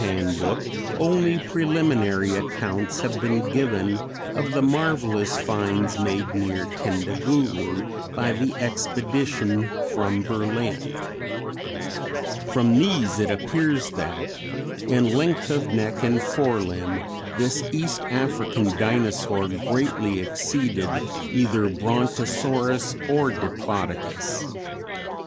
] At the date of writing this handbook only preliminary accounts have been given of the marvellous finds made near Tendaguru by the expedition from Berlin. From these it appears that in length of neck and fore limb this East African Dinosaur greatly exceeded either Brontosaurus or Diplodocus.